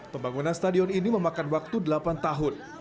pembangunan stadion ini memakan waktu delapan tahun